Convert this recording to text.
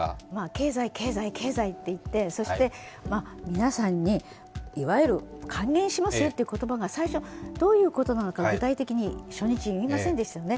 経済、経済、経済と言って皆さんに、いわゆる還元しますという言葉が最初、どういうことなのか、具体的に初日、言いませんでしたよね。